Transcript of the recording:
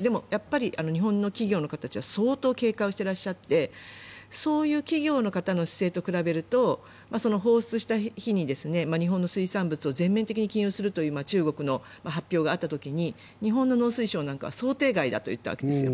でもやっぱり日本の企業の方たちは相当、警戒をしていらっしゃってそういう企業の方の姿勢と比べると放出した日に日本の水産物を全面的に禁輸するという中国の発表があった時に日本の農水省なんかは想定外だと言ったわけですよ。